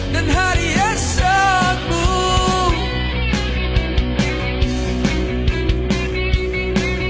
dan hari esokmu